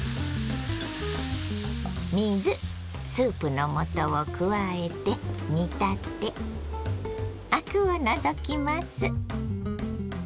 水スープの素を加えて煮立てアクを除きます。